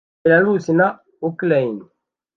Belarus na Ukraine